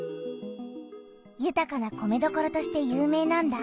ゆたかな米どころとして有名なんだ。